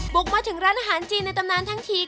บุกมาถึงร้านอาหารจีนในตำนานทั้งที